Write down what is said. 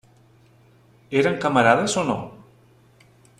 Eren camarades o no?